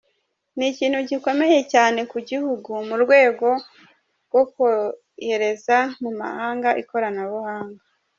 Ni ikintu gikomeye cyane ku gihugu mu rwego rwo kohereza mu mahanga ikoranabuhanga.